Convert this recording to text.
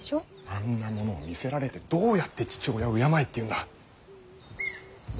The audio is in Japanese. あんなものを見せられてどうやって父親を敬えっていうんだ。